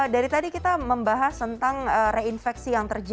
dari tadi kita membahas tentang reinfeksi yang terjadi